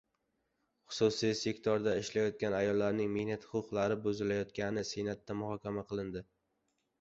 Xususiy sektorda ishlayotgan ayollarning mehnat huquqlari buzilayotgani Senatda muhokama qilindi